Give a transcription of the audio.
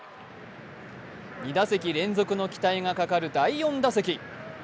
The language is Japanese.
２打席連続の期待がかかる第４打席。